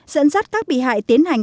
dẫn dắt các bị hại tiến hành